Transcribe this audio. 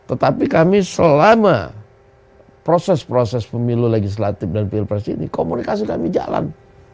tetapi kami selama proses proses pemilu legislatif dan pilpres ini komunikasi kami jalan